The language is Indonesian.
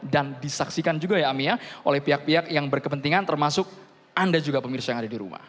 dan disaksikan juga ya amia oleh pihak pihak yang berkepentingan termasuk anda juga pemirsa yang ada di rumah